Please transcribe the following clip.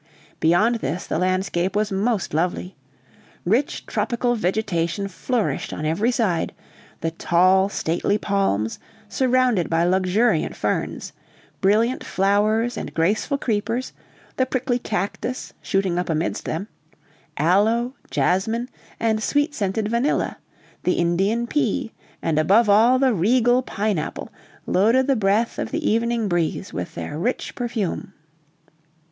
Beyond this, the landscape was most lovely. Rich tropical vegetation flourished on every side: the tall, stately palms, surrounded by luxuriant ferns; brilliant flowers and graceful creepers; the prickly cactus, shooting up amidst them; aloe, jasmine, and sweet scented vanilla; the Indian pea, and above all the regal pine apple, loaded the breath of the evening breeze with their rich perfume.